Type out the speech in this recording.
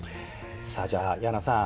さあじゃあ矢野さん